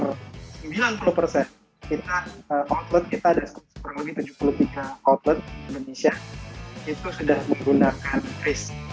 sembilan puluh kita outlet kita ada lebih dari tujuh puluh tiga outlet di indonesia itu sudah menggunakan chris